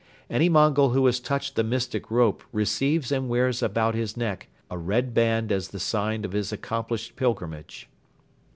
Any Mongol who has touched the mystic rope receives and wears about his neck a red band as the sign of his accomplished pilgrimage.